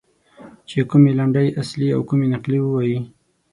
چې کومې لنډۍ اصلي او کومې نقلي ووایي.